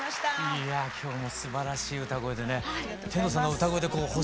いや今日もすばらしい歌声でね天童さんの歌声で星空広がりましたね。